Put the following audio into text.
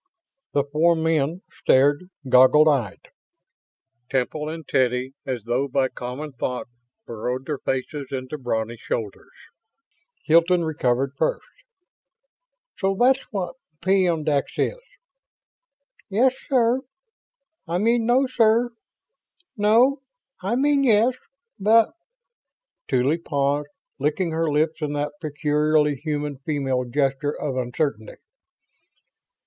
The four men stared, goggle eyed. Temple and Teddy, as though by common thought, burrowed their faces into brawny shoulders. Hilton recovered first. "So that's what peyondix is." "Yes, sir I mean no, sir. No, I mean yes, but ..." Tuly paused, licking her lips in that peculiarly human female gesture of uncertainty.